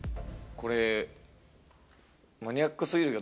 これ。